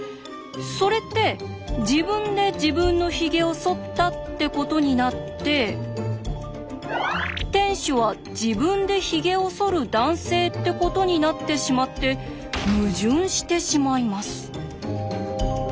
それって自分で自分のヒゲをそったってことになって店主は自分でヒゲをそる男性ってことになってしまって矛盾してしまいます。